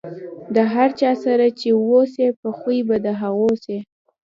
د هر چا سره چې اوسئ، په خوي به د هغو سئ.